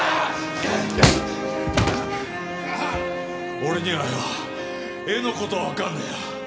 俺にはよ絵の事はわかんねえよ。